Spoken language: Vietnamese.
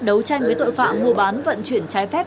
đấu tranh với tội phạm mua bán vận chuyển trái phép